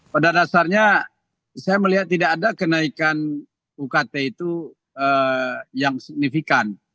pada dasarnya saya melihat tidak ada kenaikan ukt itu yang signifikan